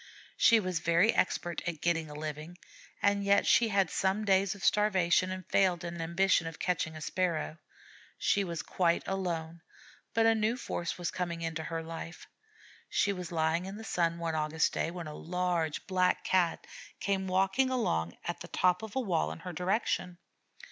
She was very expert at getting a living, and yet she had some days of starvation and failed in her ambition of catching a Sparrow. She was quite alone, but a new force was coming into her life. She was lying in the sun one August day, when a large Black Cat came walking along the top of a wall in her direction.